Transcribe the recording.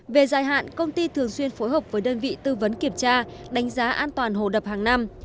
về dài hạn công ty thường xuyên phối hợp với đơn vị tư vấn kiểm tra đánh giá an toàn hồ đập hàng năm